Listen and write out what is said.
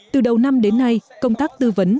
từ đầu năm đến nay công tác tư vấn